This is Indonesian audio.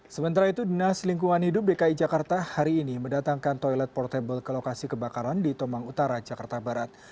sementara itu dinas lingkungan hidup dki jakarta hari ini mendatangkan toilet portable ke lokasi kebakaran di tomang utara jakarta barat